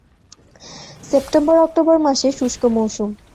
সেপ্টেম্বর-অক্টোবর মাসে শুষ্ক মৌসুম।